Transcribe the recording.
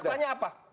terus faktanya apa